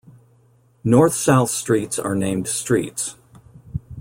North-south streets are named streets.